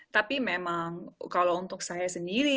tapi memang kalau untuk saya sendiri